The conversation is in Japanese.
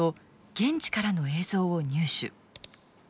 現地からの映像を入手。